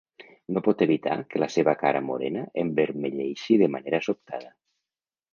No pot evitar que la seva cara morena envermelleixi de manera sobtada.